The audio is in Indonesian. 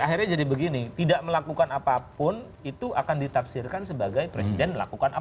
akhirnya jadi begini tidak melakukan apapun itu akan ditafsirkan sebagai presiden melakukan apa